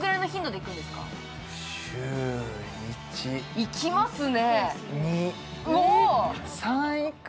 行きますね。